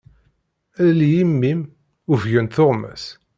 Lli imi-m, ufgent tuɣmas.